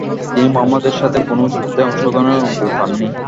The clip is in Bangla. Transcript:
তিনি মুহাম্মদ এর সাথে কোনো যুদ্ধে অংশগ্রহণের অনুমতি পাননি।